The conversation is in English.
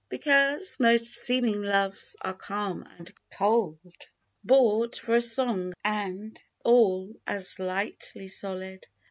Because most seeming loves are calm and cold. Bought for a song and all as lightly sold.